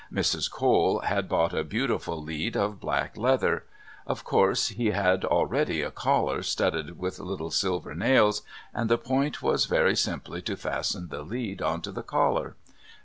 Mrs. Cole had bought a beautiful "lead" of black leather; of course he had already a collar studded with little silver nails, and the point was very simply to fasten the "lead" on to the collar.